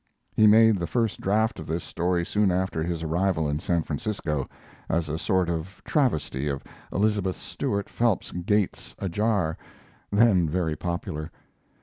He made the first draft of this story soon after his arrival in San Francisco, as a sort of travesty of Elizabeth Stuart Phelps's Gates Ajar, then very popular.